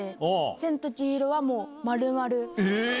千と千尋はもう、えー。